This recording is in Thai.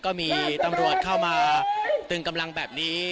ก็มีตำรวจเข้ามาตึงกำลังแบบนี้